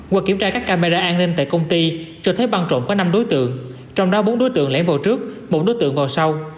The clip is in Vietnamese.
qua kiểm tra các camera an ninh tại công ty cho thấy băng trộm có năm đối tượng trong đó bốn đối tượng lẻn vào trước một đối tượng ngồi sau